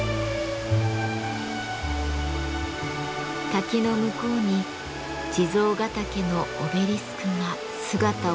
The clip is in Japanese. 滝の向こうに地蔵ヶ岳のオベリスクが姿を現しました。